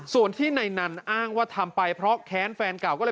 ส่วนที่ในนั้นอ้างว่าทำไปเพราะแค้นแฟนเก่าก็เลย